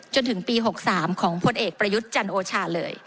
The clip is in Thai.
จนถึงปี๖๓ของพลเอกประยุทธ์จันโอชาเลย